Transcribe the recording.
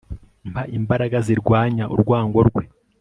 mpa imbaraga zirwanya urwango rwe